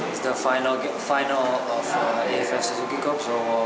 ini adalah final aff suzuki cup